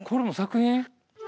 これも作品？